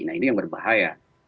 nah ini yang berbahaya